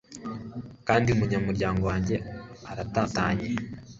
kandi umuryango wanjye uratatanye!